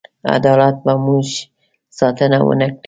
عدالت به زموږ ساتنه ونه کړي.